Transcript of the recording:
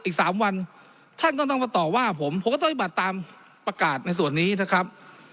อีก๓วันท่านก็ต้องมาต่อว่าผมผมก็ต้องปฏิบัติตามประกาศในส่วนนี้นะครับ